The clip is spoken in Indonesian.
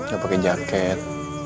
gak pake jaket